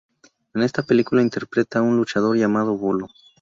En esta película interpreta a un luchador llamado "Bolo".